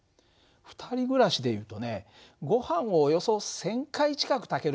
２人暮らしでいうとねごはんをおよそ１，０００回近く炊けるエネルギーかな。